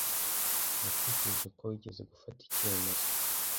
Natekereje ko wigeze gufata icyemezo.